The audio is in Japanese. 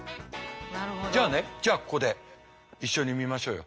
じゃあねじゃあここで一緒に見ましょうよ。